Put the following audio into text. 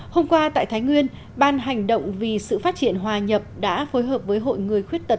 hôm qua tại thái nguyên ban hành động vì sự phát triển hòa nhập đã phối hợp với hội người khuyết tật